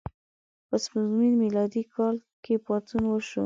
په سپوږمیز میلادي کال کې پاڅون وشو.